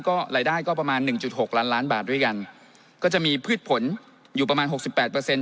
ก็รายได้ก็ประมาณหนึ่งจุดหกล้านล้านบาทด้วยกันก็จะมีพืชผลอยู่ประมาณหกสิบแปดเปอร์เซ็น